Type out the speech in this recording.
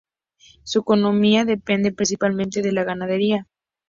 Su economía depende principalmente de la ganadería.